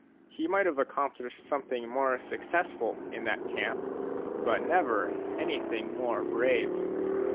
He might have accomplished something more successful in that camp, but never anything more brave.